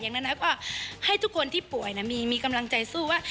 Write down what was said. อย่างนั้นแล้วก็ให้ทุกคนที่ป่วยมีกำลังใจสู้ว่า